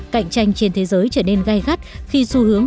cạnh tranh trên thế giới trở nên gai gắt khi xu hướng